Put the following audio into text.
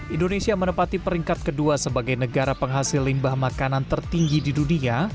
indonesia menempati peringkat kedua sebagai negara penghasil limbah makanan tertinggi di dunia